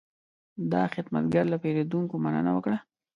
دا خدمتګر له پیرودونکو مننه وکړه.